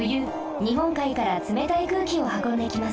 にほんかいからつめたいくうきをはこんできます。